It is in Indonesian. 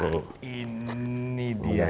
wah ini dia ya